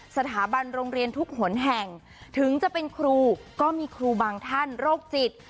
สถาบันโรงเรียนทุกหนแห่งถึงจะเป็นครูก็มีครูบางท่านโรคจิต